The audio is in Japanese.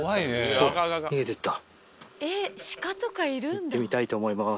行ってみたいと思います。